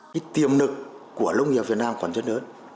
cái tiềm lực của nông nghiệp việt nam còn rất lớn